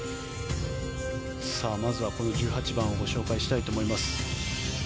まずはこの１８番をご紹介したいと思います。